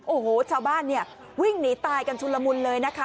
โอ้โหชาวบ้านเนี่ยวิ่งหนีตายกันชุนละมุนเลยนะคะ